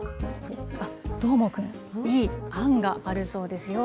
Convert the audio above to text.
あっ、どーもくん、いい案があるそうですよ。